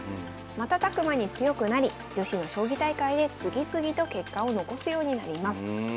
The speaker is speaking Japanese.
瞬く間に強くなり女子の将棋大会で次々と結果を残すようになります。